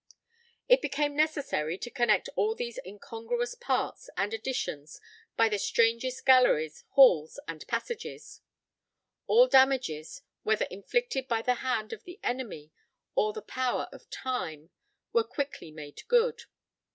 It became necessary to connect all these incongruous parts and additions by the strangest galleries, halls and passages. All damages, whether inflicted by the hand of the enemy or the power of time, were quickly made good.